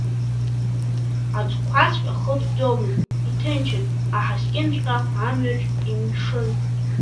Аӡқәаҵәҟьа хыҵӡомызт, иҭынчын, аҳаскьынҵәҟьа амҩаҿ имшын.